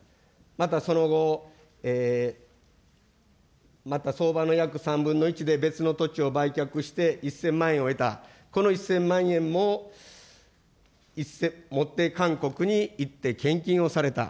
またその後、また相場の約３分の１で別の土地を売却して、１０００万円を得た、この１０００万円も持って韓国に行って献金をされた。